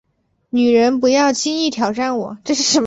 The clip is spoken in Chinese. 女人，不要轻易挑战我